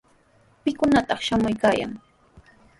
¿Pikunataq shamuykaayan?